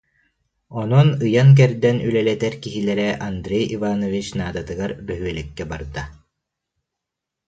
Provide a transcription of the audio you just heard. Онон ыйан-кэрдэн үлэлэтэр киһилэрэ Андрей Иванович наадатыгар бөһүөлэккэ барда